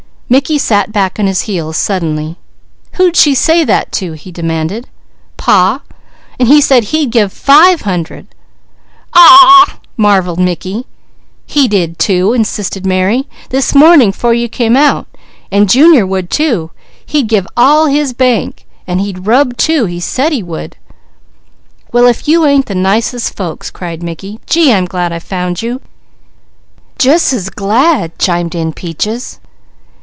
Mickey sat back on his heels suddenly. "Who'd she say that to?" he demanded. "Pa. And he said he'd give five hundred." "Aw a ah!" marvelled Mickey. "He did too!" insisted Mary. "This morning 'fore you came out. And Junior would too. He'd give all in his bank! And he'd rub too! He said he would." "Well, if you ain't the nicest folks!" cried Mickey. "Gee, I'm glad I found you!" "Jus' as glad!" chimed in Peaches.